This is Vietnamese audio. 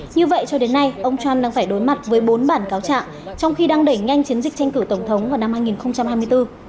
như vậy cho đến nay ông trump đang phải đối mặt với bốn bản cáo trạng trong khi đang đẩy nhanh chiến dịch tranh cử tổng thống vào năm hai nghìn hai mươi bốn